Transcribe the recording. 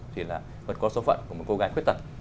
thì là vượt qua số phận của một cô gái khuyết tật